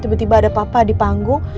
tiba tiba ada papa di panggung